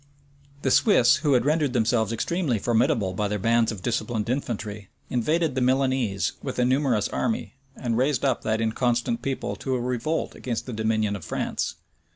The Swiss, who had rendered themselves extremely formidable by their bands of disciplined infantry, invaded the Milanese with a numerous army, and raised up that inconstant people to a revolt against the dominion of France.